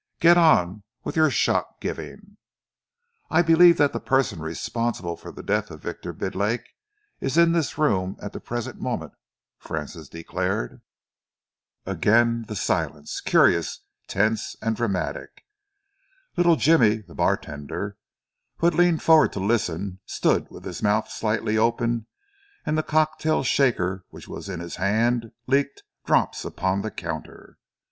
"Get on with your shock giving." "I believe that the person responsible for the death of Victor Bidlake is in this room at the present moment," Francis declared. Again the silence, curious, tense and dramatic. Little Jimmy, the bartender, who had leaned forward to listen, stood with his mouth slightly open and the cocktail shaker which was in his hand leaked drops upon the counter.